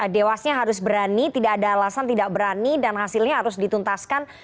dewasnya harus berani tidak ada alasan tidak berani dan hasilnya harus dituntaskan